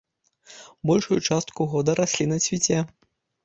Большую частку года расліна цвіце.